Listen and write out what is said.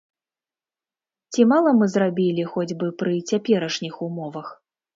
Ці мала мы зрабілі хоць бы пры цяперашніх умовах?